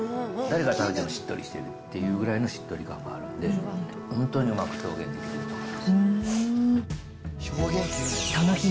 誰が食べてもしっとりしてるっていうぐらいのしっとり感があるんで、本当にうまく表現できてると思います。